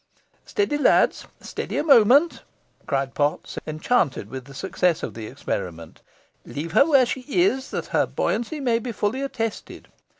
"Steady, lads steady a moment," cried Potts, enchanted with the success of the experiment; "leave her where she is, that her buoyancy may be fully attested.